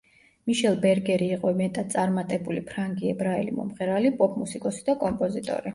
მიშელ ბერგერი იყო მეტად წარმატებული ფრანგი ებრაელი მომღერალი, პოპ მუსიკოსი და კომპოზიტორი.